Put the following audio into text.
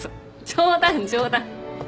冗談冗談。